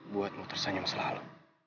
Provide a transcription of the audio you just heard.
buatmu tersenyum selalu